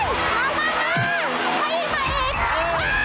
เฮ่ย